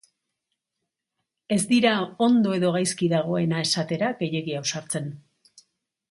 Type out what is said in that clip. Ez dira ondo edo gaizki dagoena esatera gehiegi ausartzen.